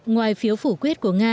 ngoài phiếu phủ quyết của nga